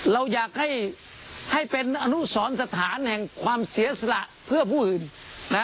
เราอยากให้เป็นอนุสรสถานแห่งความเสียสละเพื่อผู้อื่นนะ